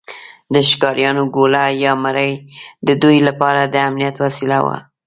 د ښکاریانو ګوله یا مړۍ د دوی لپاره د امنیت وسیله وه.